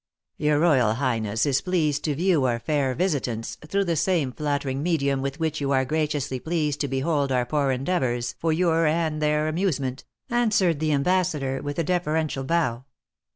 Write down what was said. "Your royal highness is pleased to view our fair visitants through the same flattering medium with which you are graciously pleased to behold our poor endeavours for your and their amusement," answered the ambassador, with a deferential bow.